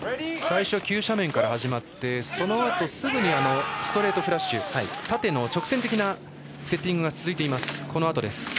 最初、急斜面から始まってそのあとすぐストレートフラッシュ縦の直線的なセッティングが続いています。